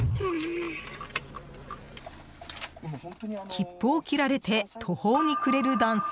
切符を切られて途方に暮れる男性。